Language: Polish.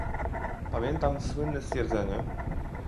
Pamiętam słynne stwierdzenie